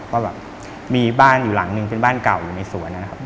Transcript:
ว่ามีบ้านอยู่หลังหนึ่งเป็นบ้านเก่าอยู่ในสวน